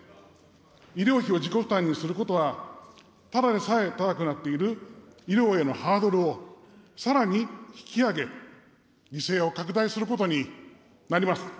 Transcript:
医療費を自己負担にすることは、ただでさえ高くなっている医療へのハードルを、さらに引き上げ、犠牲を拡大することになります。